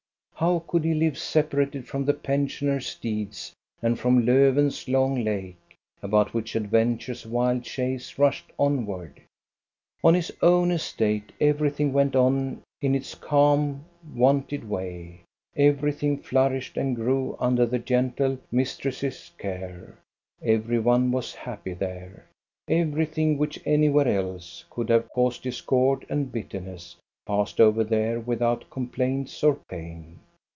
How could he live separated from the pensioners* deeds, and from Lofven's long lake, about which adventure's wild chase rushed onward? LILLIECRONA'S HOME 297 On his own estate everything went on in its calm, wonted way. Everything flourished and grew under the gentle mistress's care. Every one was happy there. Everything which anywhere else could have caused discord and bitterness passed over there without complaints or pain.